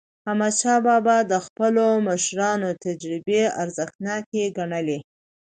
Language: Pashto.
احمدشاه بابا د خپلو مشرانو تجربې ارزښتناکې ګڼلې.